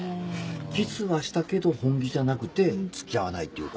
キスはしたけど本気じゃなくて付き合わないっていうか。